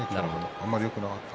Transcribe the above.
あまりよくなかった。